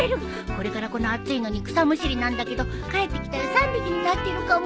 これからこの暑いのに草むしりなんだけど帰ってきたら３匹になってるかも！